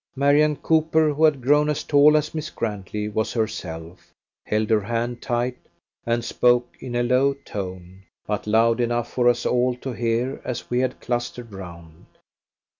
Marian Cooper, who had grown as tall as Miss Grantley was herself, held her hand tight, and spoke in a low tone, but loud enough for us all to hear as we had clustered round.